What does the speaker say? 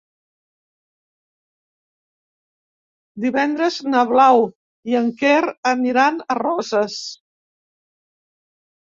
Divendres na Blau i en Quer aniran a Roses.